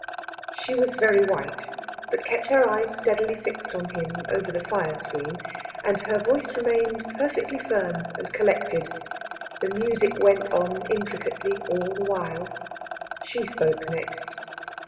She was very white, but kept her eyes steadily fixed on him over the fire screen, and her voice remained perfectly firm and collected. The music went on intricately all the while. She spoke next.